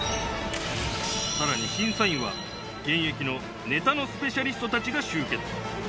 さらに審査員は、現役のネタのスペシャリストたちが集結。